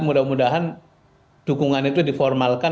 mudah mudahan dukungan itu diformalkan